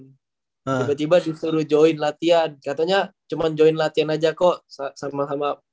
tiba tiba disuruh join latihan katanya cuma join latihan aja kok sama sama